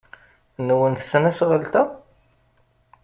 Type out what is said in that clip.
Nwen tesnasɣalt-a?